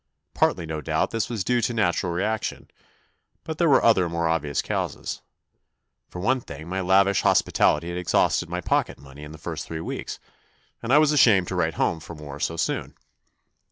Partly no doubt this was due to a natural reaction, but there were other more obvious causes. For one thing my lavish hospitality had exhausted my pocket money in the first three weeks, and I was ashamed to write home for more so soon.